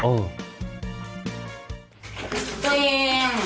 ตัวเอง